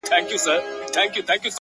زه خو د وخت د بـلاگـانـــو اشـنا ـ